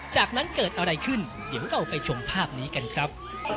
จากนั้นเกิดอะไรขึ้นเดี๋ยวเราไปชมภาพนี้กันครับ